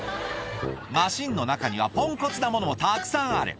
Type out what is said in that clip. マシンの中にはぽんこつなものもたくさんある。